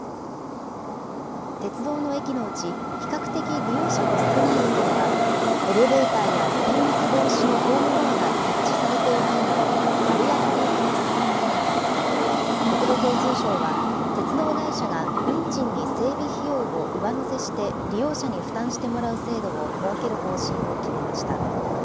鉄道の駅のうち、比較的利用者の少ない駅では、エレベーターや転落防止のホームドアが設置されていないなど、バリアフリー化が進んでおらず、国土交通省は、鉄道会社が運賃に整備費用を上乗せして利用者に負担してもらう制度を設ける方針を決めました。